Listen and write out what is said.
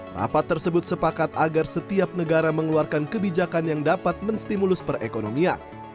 rapat tersebut sepakat agar setiap negara mengeluarkan kebijakan yang dapat menstimulus perekonomian